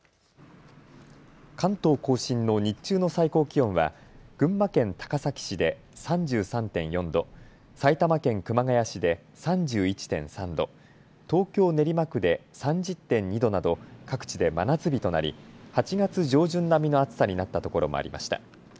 関東甲信の日中の最高気温は群馬県高崎市で３３．４度、埼玉県熊谷市で３１．３度、東京練馬区で３０．２度など各地で真夏日となり８月上旬並みの暑さになったところもありました。